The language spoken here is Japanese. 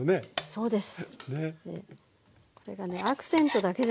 そうです。